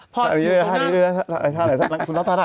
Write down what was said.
เป็นเรื่องอะไรอีกแล้วแอ้งจี้